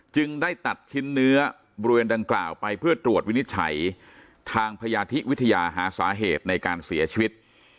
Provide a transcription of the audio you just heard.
ได้ตัดชิ้นเนื้อบริเวณดังกล่าวไปเพื่อตรวจวินิจฉัยทางพยาธิวิทยาหาสาเหตุในการเสียชีวิต